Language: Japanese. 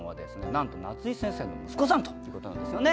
なんと夏井先生の息子さんということなんですよね。